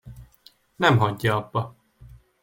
Nem hagyja abba.